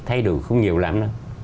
thay đổi không nhiều lắm đâu